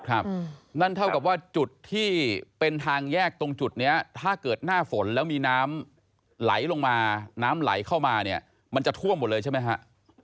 นั่นเท่ากับว่าจุดที่เป็นทางแยกตรงจุดเนี้ยถ้าเกิดหน้าฝนแล้วมีน้ำไหลลงมาน้ำไหลเข้ามาเนี่ยมันจะท่วมหมดเลยใช่ไหมฮะ